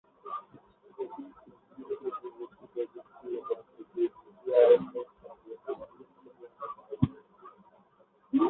এটি থ্রিজির পূর্ববর্তী প্রযুক্তি এবং একে জিপিআরএসের সঙ্গে সামঞ্জস্যপূর্ণ করা হয়েছে।